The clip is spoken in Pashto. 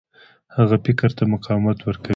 هغه فکر ته مقاومت ورکوي.